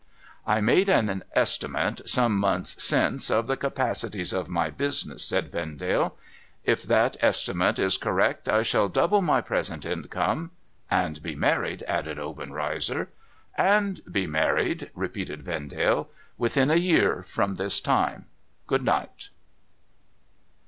' I made an estimate, some months since, of the capacities of my business,' said Vendale. ' If that estimate is correct, I shall double my present income '' And be married !' added Obenreizer. ' And be married,' repeated Vendale, ' within a year from this time. Good night.'